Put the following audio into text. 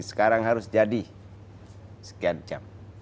sekarang harus jadi sekian jam